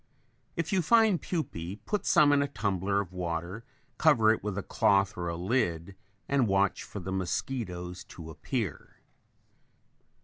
If you find pupae, put some in a tumbler of water, cover it with cloth or a lid and watch for the mosquitoes to appear.